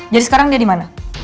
jadi sekarang dia di mana